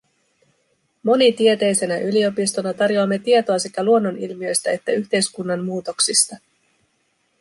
Monitieteisenä yliopistona tarjoamme tietoa sekä luonnonilmiöistä että yhteiskunnan muutoksista.